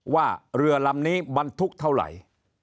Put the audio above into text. ว่าเรือลำนี้บรรทุกเท่าไหร่